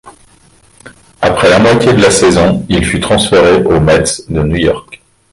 Après la moitié de la saison, il fut transféré aux Mets de New York.